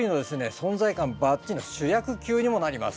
存在感バッチリの主役級にもなります。